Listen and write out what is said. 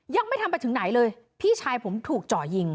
ยังไม่ทำไปถึงไหนเลยพี่ชายผมถูกเจาะยิง